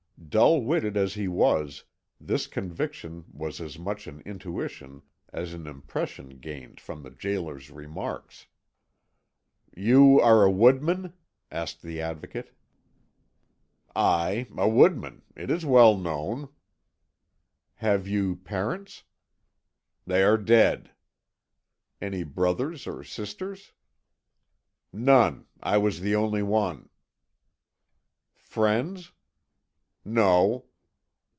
Dull witted as he was, this conviction was as much an intuition as an impression gained from the gaoler's remarks. "You are a woodman?" said the Advocate. "Aye, a woodman. It is well known." "Have you parents?" "They are dead." "Any brothers or sisters?" "None. I was the only one." "Friends?" "No."